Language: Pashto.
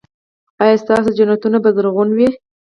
ایا ستاسو جنتونه به زرغون وي؟